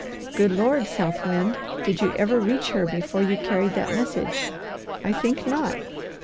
Good Lord, South Wind, did you ever reach her before you carried that message? I think not!